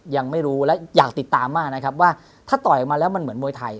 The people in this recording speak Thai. ยังไม่รู้และอยากติดตามมากนะครับว่าถ้าต่อยออกมาแล้วมันเหมือนมวยไทย